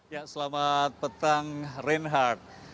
ya selamat petang renhar